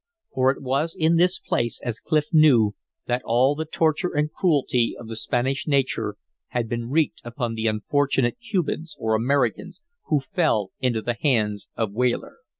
For it was in this place, as Clif knew, that all the torture and cruelty of the Spanish nature had been wreaked upon the unfortunate Cubans or Americans who fell into the hands of Weyler.